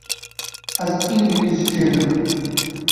Ez îngilîzî fêr dibim.